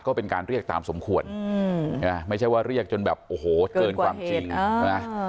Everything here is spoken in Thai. ก็เป็นการเรียกตามสมควรไม่ใช่ว่าเรียกจนแบบโอ้โหเกินกว่าเหตุ